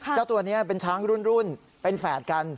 เจ้าตัวนี้เป็นช้างรุ่นเป็นแฝดกัน